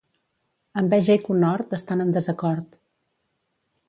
Enveja i conhort estan en desacord.